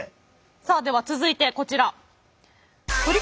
さあでは続いてこちら。